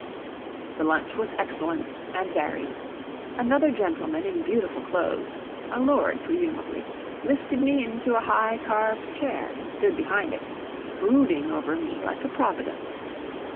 The lunch was excellent and varied. Another gentleman in beautiful clothes a lord, presumably lifted me into a high carved chair, and stood behind it, brooding over me like a Providence.